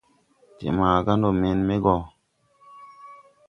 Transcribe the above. De maga ndɔ men me gɔ.